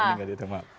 ini gak di tengah